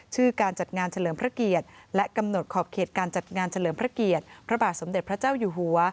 การจัดงานเฉลิมพระเกียรติและกำหนดขอบเขตการจัดงานเฉลิมพระเกียรติพระบาทสมเด็จพระเจ้าอยู่หัว